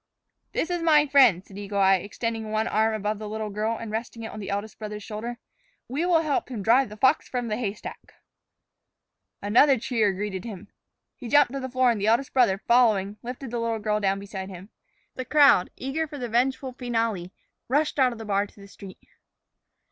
"This is my friend," said Eagle Eye, extending one arm above the little girl and resting it on the eldest brother's shoulder. "We will help him drive the fox from the haystack." Another cheer greeted him. He jumped to the floor, and the eldest brother followed, lifting the little girl down beside him. The crowd, eager for the vengeful finale, rushed out of the bar to the street.